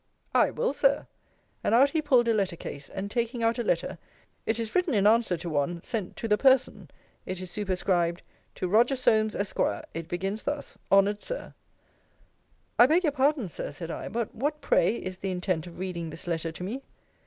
I will, Sir. And out he pulled a letter case, and taking out a letter, it is written in answer to one, sent to the person. It is superscribed, To Roger Solmes, Esq. It begins thus: Honoured Sir I beg your pardon, Sir, said I: but what, pray, is the intent of reading this letter to me?